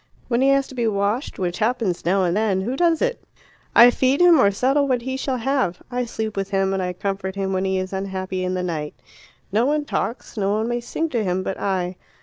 When he has to be washed, which happens now and then, who does it? I. I feed him, or settle what he shall have. I sleep with him and comfort him when he is unhappy in the night. No one talks, no one may sing to him but I.